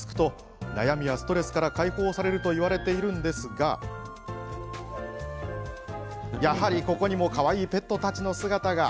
抱きつくと悩みやストレスから解放されるといわれているんですがやっぱり、ここにもかわいいペットのたちの姿が。